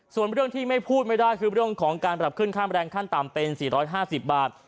ส่วนเรื่องที่ไม่พูดไม่ได้คือเรื่องของการปรับขึ้นค่าแรงขั้นต่ำเป็น๔๕๐บาท